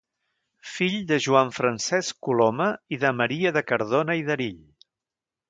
Fill de Joan Francesc Coloma i de Maria de Cardona i d'Erill.